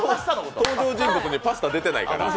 登場人物にパスタが出てないから。